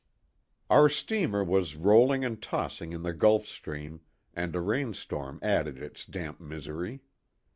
OUR steamer was rolling and tossing in the Gulf Stream, and a rain storm added its damp misery.